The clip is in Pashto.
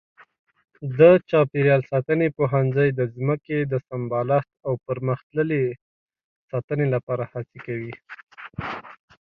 د چاپېریال ساتنې پوهنځی د ځمکې د سمبالښت او پرمختللې ساتنې لپاره هڅې کوي.